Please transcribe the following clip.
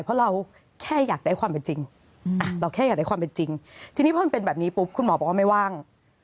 เพราะเราแค่อยากได้ความเป็นจริงเราแค่อยากได้ความเป็นจริงทีนี้พอมันเป็นแบบนี้ปุ๊บคุณหมอบอกว่าไม่ว่าง